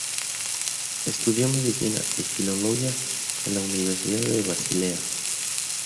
Estudió medicina y filología en la Universidad de Basilea.